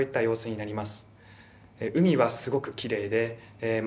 海はすごくきれいで真っ青。